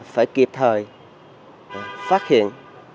phải kịp thời phát hiện